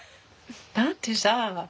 だってさ